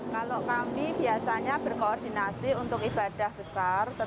kalau selama ini kami memang berkomitmen untuk saling menjaga